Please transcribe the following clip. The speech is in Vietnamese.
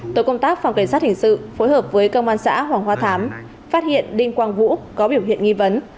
tổ công tác phòng cảnh sát hình sự phối hợp với công an xã hoàng hoa thám phát hiện đinh quang vũ có biểu hiện nghi vấn